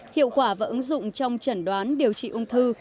hiệu quả và ứng dụng trong chẩn đoán điều trị ung thư